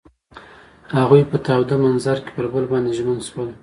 هغوی په تاوده منظر کې پر بل باندې ژمن شول.